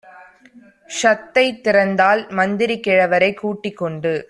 ஷத்தைத் திறந்தார். மந்திரி கிழவரைக் கூட்டி கொண்டு